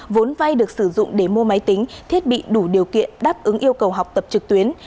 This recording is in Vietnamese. vốn vay được sử dụng để mua máy tính thiết bị đủ điều kiện đáp ứng yêu cầu học tập trực tuyến